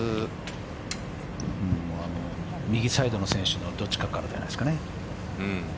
右サイドの選手のどっちかからじゃないですかね。